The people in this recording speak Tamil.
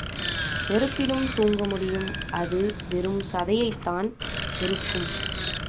நெருப்பிலும் தூங்க முடியும் அது வெறும் சதையைத் தான் எரிக்கும்.